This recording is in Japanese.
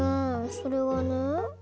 それはね